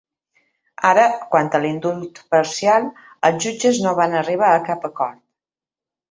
Ara, quant a l’indult parcial, els jutges no van arribar a cap acord.